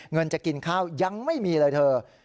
เงินจะกินข้าวยังไม่มีเลยเธอ